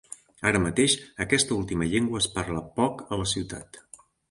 Ara mateix, aquesta última llengua es parla poc a la ciutat.